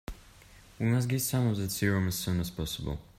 We must get some of that serum as soon as possible.